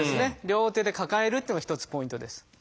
両手で抱えるっていうのが一つポイントです。